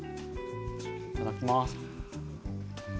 いただきます。